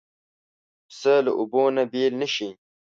پسه له اوبو نه بېل نه شي.